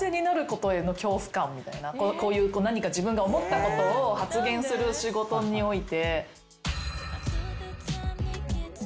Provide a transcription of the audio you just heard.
何か自分が思ったことを発言する仕事において。